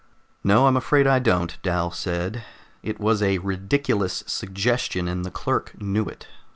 "No, I'm afraid I don't," Dal said. It was a ridiculous suggestion, and the clerk knew it.